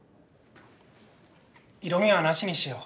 色みはなしにしよう。